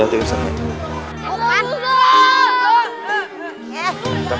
semua yai luck